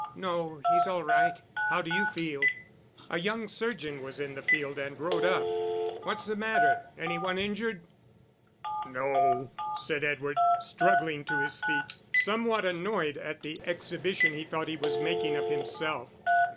"No; he's all right. How d'you feel?" A young surgeon was in the field, and rode up. "What's the matter? Any one injured?" "No," said Edward, struggling to his feet, somewhat annoyed at the exhibition he thought he was making of himself.